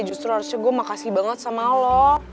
justru harusnya gue makasih banget sama lo